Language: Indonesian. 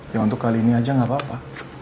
ya untuk kali ini aja nggak apa apa